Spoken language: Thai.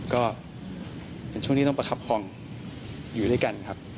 ก็เป็นช่วงที่ต้องประคับครองอยู่ด้วยกันครับ